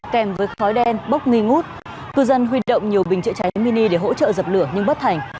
kèm với khói đen bốc nghi ngút cư dân huy động nhiều bình chữa cháy mini để hỗ trợ dập lửa nhưng bất thành